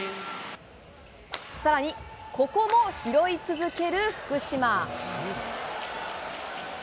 さらにここも拾い続ける福島。